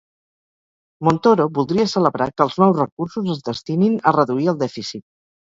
Montoro voldria celebrar que els nous recursos es destinin a reduir el dèficit.